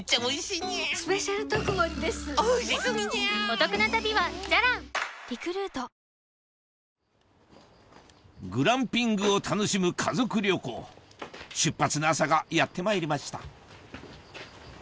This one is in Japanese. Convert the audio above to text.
この落差グランピングを楽しむ家族旅行出発の朝がやってまいりました